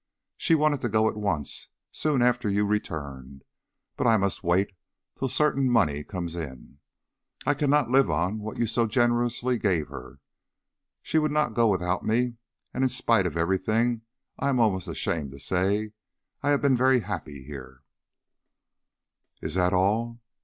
She wanted to go at once soon after you returned; but I must wait till certain money comes in. I cannot live on what you so generously gave her. She would not go without me, and in spite of everything, I am almost ashamed to say, I have been very happy here " "Is that all?